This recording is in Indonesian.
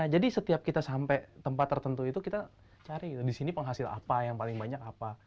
jadi setiap kita sampai tempat tertentu itu kita cari di sini penghasil apa yang paling banyak apa